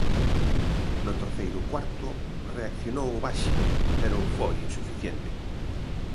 No terceiro cuarto reaccionou o Baxi, pero foi insuficiente.